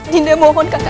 dinda mohon kakanda